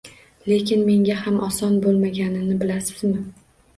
Lekin menga ham oson bo`lmaganini bilasizmi